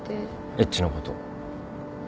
エッチのこと。